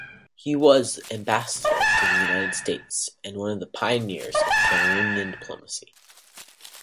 He was ambassador to the United States, and one of the pioneers of Cameroonian diplomacy.